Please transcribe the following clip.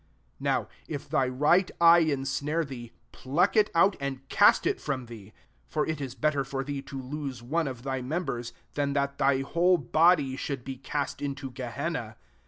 29 Now if thy right eye insnare thee, pluck it out, and cast it fratn thee : for it is better for thee to lose one of thy members, than that thy whole body should be cast into Gehenna.